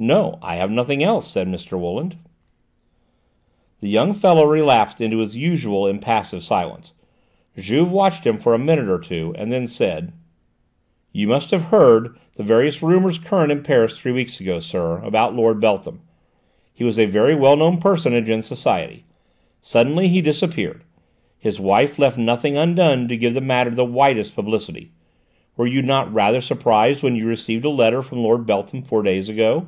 "No, I have nothing else," said Mr. Wooland. The young fellow relapsed into his usual impassive silence. Juve watched him for a minute or two and then said: "You must have heard the various rumours current in Paris three weeks ago, sir, about Lord Beltham. He was a very well known personage in society. Suddenly he disappeared; his wife left nothing undone to give the matter the widest publicity. Were you not rather surprised when you received a letter from Lord Beltham four days ago?"